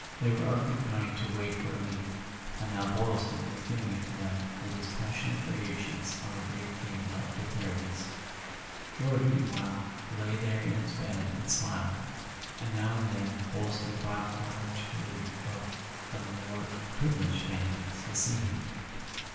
They were of the kind to wait for a lead—and now Boylston was giving it to them with his passionate variations on the great theme of Preparedness. George, meanwhile, lay there in his [ 315 ] A SON AT THE FRONT bed and smiled; and now and then Boylston brought one or two of the more privileged candidates to see him.